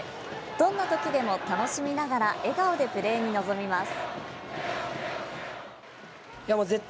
どんな時でも楽しみながら笑顔でプレーに臨みます。